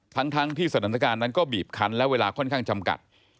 ทั้งที่สถานการณ์นั้นก็บีบคันและเวลาค่อนข้างจำกัด